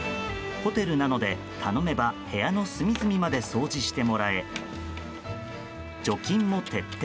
ホテルなので、頼めば部屋の隅々まで掃除してもらえ除菌も徹底。